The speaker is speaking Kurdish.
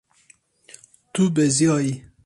Tu beziyayî.